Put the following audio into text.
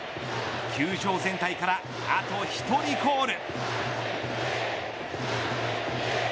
球場全体から、あと１人コール。